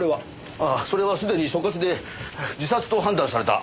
ああそれはすでに所轄で自殺と判断された案件ですね。